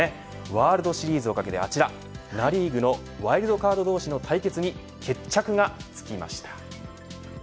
ワールドシリーズを懸けてナ・リーグのワイルドカード同士の対決に決着がつきました。